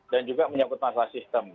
dan juga menyangkut masalah sistem